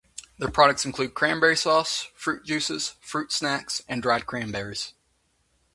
Their products include cranberry sauce, fruit juices, fruit snacks, and dried cranberries.